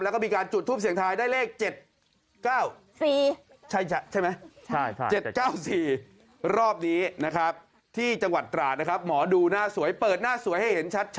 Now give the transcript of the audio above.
แล้วก็มีการจุดตราดที่